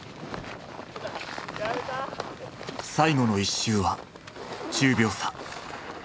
最後の１周は１０秒差。